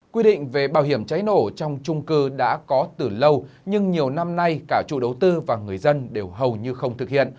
quy định về bảo hiểm cháy nổ trong trung cư đã có từ lâu nhưng nhiều năm nay cả chủ đầu tư và người dân đều hầu như không thực hiện